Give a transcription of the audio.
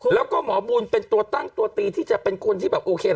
แล้วก็หมอบุญเป็นตัวตั้งตัวตีที่จะเป็นคนที่แบบโอเคล่ะ